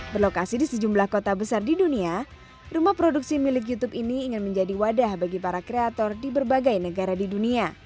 berlokasi di sejumlah kota besar di dunia rumah produksi milik youtube ini ingin menjadi wadah bagi para kreator di berbagai negara di dunia